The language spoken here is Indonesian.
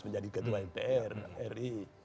menjadi ketua mpri